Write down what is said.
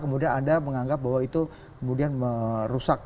kemudian anda menganggap bahwa itu kemudian merusak